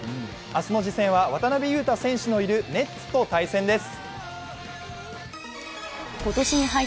明日の次戦は渡邊雄太選手のいるネッツと対戦です。